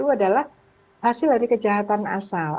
aliran dari kejahatan asal